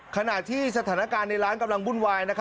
ขณะที่สถานการณ์ในร้านกำลังวุ่นวาย